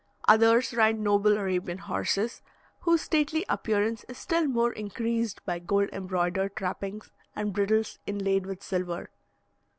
Others ride noble Arabian horses, whose stately appearance is still more increased by gold embroidered trappings and bridles inlaid with silver.